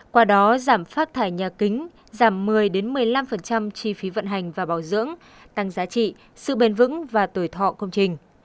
qua đó giảm phát thải nhà kính giảm một mươi một mươi năm chi phí vận hành và bảo dưỡng tăng giá trị sự bền vững và tuổi thọ công trình